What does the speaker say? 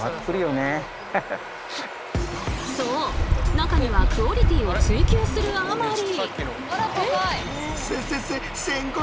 中にはクオリティーを追求するあまり。